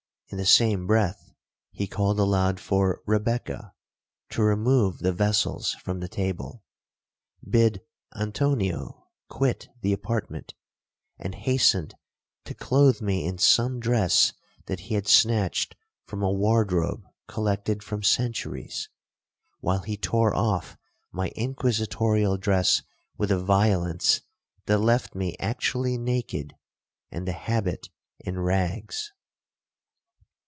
In the same breath he called aloud for Rebekah, to remove the vessels from the table; bid Antonio quit the apartment, and hastened to clothe me in some dress that he had snatched from a wardrobe collected from centuries; while he tore off my inquisitorial dress with a violence that left me actually naked, and the habit in rags.